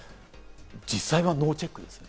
実際はノーチェックです。